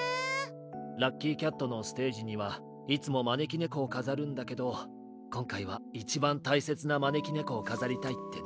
ＬＵＣＫＹＣＡＴのステージにはいつもまねきねこをかざるんだけどこんかいはいちばんたいせつなまねきねこをかざりたいってね。